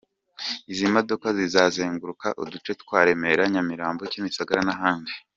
Izi modoka zizazenguruka uduce twa Remera, Nyamirambo, Kimisagara n’ahandi.